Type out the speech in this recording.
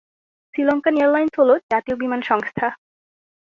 Sri Lankan Airlines হল জাতীয় বিমান সংস্থা।